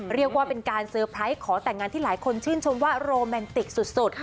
เรียกว่าเป็นการเซอร์ไพรส์ขอแต่งงานที่หลายคนชื่นชมว่าโรแมนติกสุด